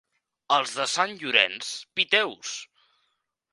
Els de Sant Llorenç, piteus.